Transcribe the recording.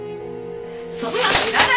そんなのいらない！